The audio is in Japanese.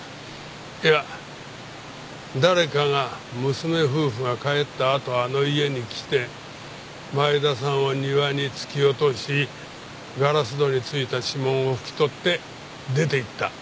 いや誰かが娘夫婦が帰ったあとあの家に来て前田さんを庭に突き落としガラス戸に付いた指紋を拭き取って出ていった。